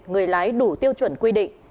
người lái đủ tiêu chuẩn quy định